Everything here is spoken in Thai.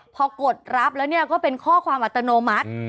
พอกดรับแล้วเนี่ยก็เป็นข้อความอัตโนมัติ